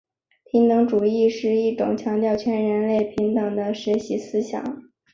平等主义是一种强调全人类平等的学术思想。